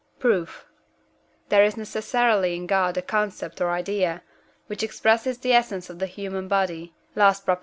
Proof. There is necessarily in God a concept or idea, which expresses the essence of the human body (last Prop.)